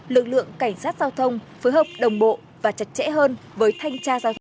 lực lượng cảnh sát giao thông phối hợp đồng bộ và chặt chẽ hơn với thanh tra giao thông